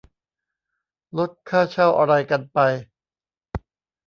ลดค่าเช่า อะไรกันไป